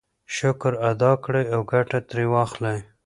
شکر ادا کړئ او ګټه ترې واخلئ.